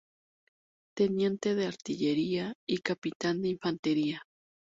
Teniente de Artillería y Capitán de Infantería.